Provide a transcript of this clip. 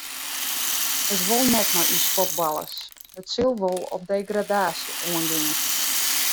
It wol net mei ús fuotballers, it sil wol op degradaasje oangean.